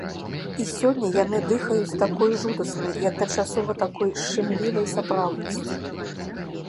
І сёння яны дыхаюць такой жудаснай і адначасова такой шчымлівай сапраўднасцю!